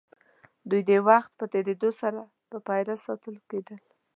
دوی د وخت په تېرېدو سره په پېره ساتل کېدل.